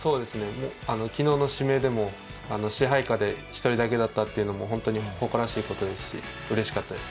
昨日の指名でも支配下で１人だけだったというのも本当に誇らしいことですし、うれしかったです。